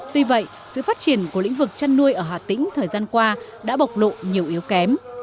tuy vậy sự phát triển của lĩnh vực chăn nuôi ở hà tĩnh thời gian qua đã bộc lộ nhiều yếu kém